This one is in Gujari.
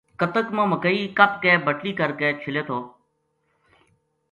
کتک ما مکئی کپ کے بٹلی کر کے چھلے تھو